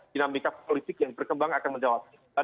dinamika politik yang berkembang akan menjawab